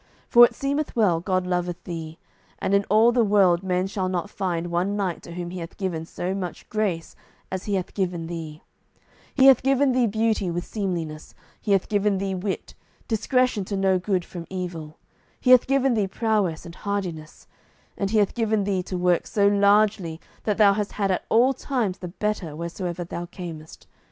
For it seemeth well God loveth thee, and in all the world men shall not find one knight to whom He hath given so much grace as He hath given thee; He hath given thee beauty with seemliness; He hath given thee wit, discretion to know good from evil; He hath given thee prowess and hardiness; and He hath given thee to work so largely that thou hast had at all times the better wheresoever thou camest.